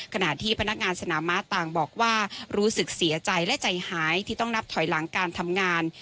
ขณะที่พนักงานสนามม้าต่างบอกว่ารู้สึกเสียใจและใจหายที่ต้องนับถอยหลังการทำงาน